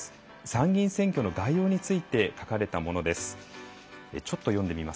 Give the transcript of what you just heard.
参議院選挙の概要について書かれたものです。